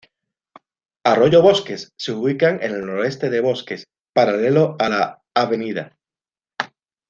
Arroyo Bosques: se ubica en el noroeste de Bosques, paralelo a la Av.